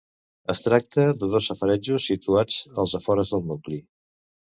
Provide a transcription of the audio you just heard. Es tracta de dos safaretjos situats als afores del nucli.